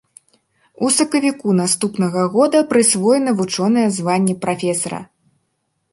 У сакавіку наступнага года прысвоена вучонае званне прафесара.